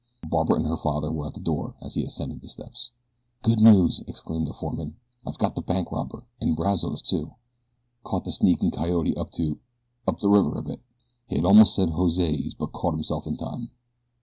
Barbara and her father were at the door as he ascended the steps. "Good news!" exclaimed the foreman. "I've got the bank robber, and Brazos, too. Caught the sneakin' coyote up to up the river a bit." He had almost said "Jose's;" but caught himself in time.